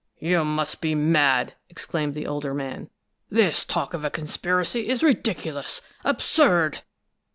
"You must be mad!" exclaimed the older man. "This talk of a conspiracy is ridiculous, absurd!"